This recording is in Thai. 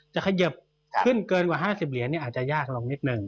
เขยิบขึ้นเกินกว่า๕๐เหรียญอาจจะยากลงนิดนึง